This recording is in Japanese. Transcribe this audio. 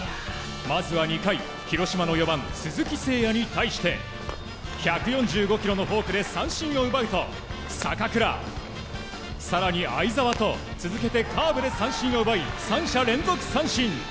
まずは２回広島の４番、鈴木誠也に対して１４５キロのフォークで三振を奪うと坂倉、更に會澤と続けてカーブで三振を奪い三者連続三振。